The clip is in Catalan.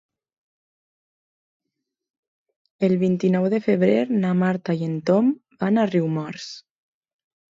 El vint-i-nou de febrer na Marta i en Tom van a Riumors.